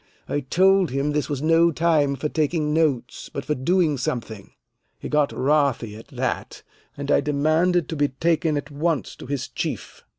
I told him this was no time for taking notes, but for doing something. He got wrathy at that, and I demanded to be taken at once to his Chief.